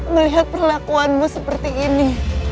melihat perlakuanmu seperti ini